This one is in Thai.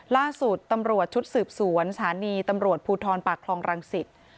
ล่าสุดตำรวจชุดสืบสวนสถานีตำรวจภูทรปากคลองรังสิต